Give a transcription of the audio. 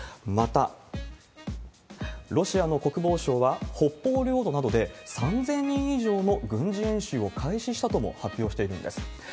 また、ロシアの国防省は、北方領土などで、３０００人以上の軍事演習を開始したとも発表しているんです。